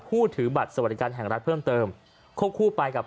ผู้ถือบัตรสวรรค์แห่งรัฐเพิ่มเติมครบคู่ไปกับ